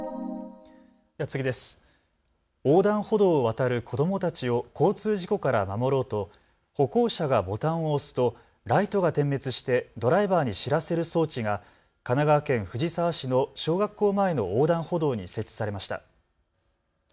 横断歩道を渡る子どもたちを交通事故から守ろうと歩行者がボタンを押すとライトが点滅してドライバーに知らせる装置が神奈川県藤沢市の小学校前の横断歩道に設置されました。